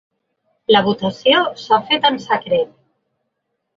La votació s’ha fet en secret.